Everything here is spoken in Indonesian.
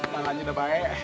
makannya udah baik